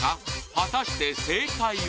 果たして正解は？